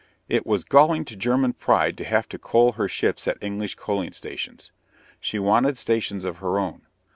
It was galling to German pride to have to coal her ships at English coaling stations. She wanted stations of her own.